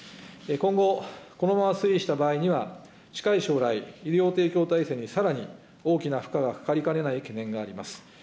今後、このまま推移した場合には、近い将来、医療提供体制にさらに大きな負荷がかかりかねない懸念があります。